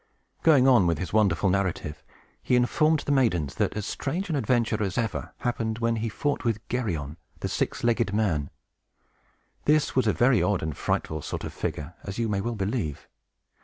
Going on with his wonderful narrative, he informed the maidens that as strange an adventure as ever happened was when he fought with Geryon, the six legged man. This was a very odd and frightful sort of figure, as you may well believe.